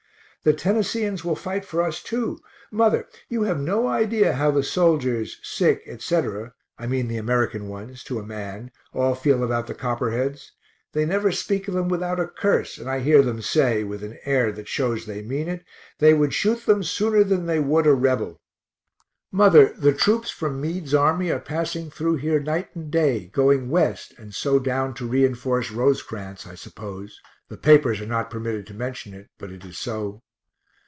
The Tennesseans will fight for us too. Mother, you have no idea how the soldiers, sick, etc. (I mean the American ones, to a man) all feel about the Copperheads; they never speak of them without a curse, and I hear them say, with an air that shows they mean it, they would shoot them sooner than they would a Rebel. Mother, the troops from Meade's army are passing through here night and day, going West and so down to reinforce Rosecrans I suppose the papers are not permitted to mention it, but it is so.